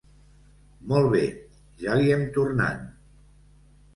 Molt bé, ja li hem tornant.